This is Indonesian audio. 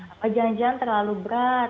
apa jangan jangan terlalu berat